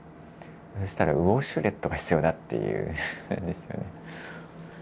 そしたらウォシュレットが必要だっていうんですよね。